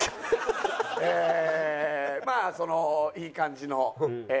ええーまあそのいい感じのえ